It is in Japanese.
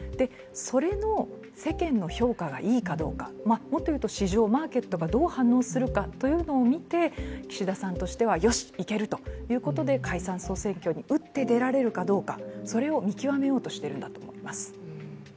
それの世間の評価がいいのかどうか、もっというと市場マーケットがどう反応するのかを見て岸田さんとしては、よしいけるということで解散総選挙に打って出られるかどうか、それを見極めようとしてるんだと思います。